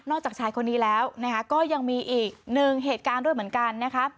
จากชายคนนี้แล้วก็ยังมีอีกหนึ่งเหตุการณ์ด้วยเหมือนกันนะคะ